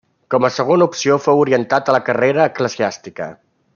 Com a segona opció fou orientat a la carrera eclesiàstica.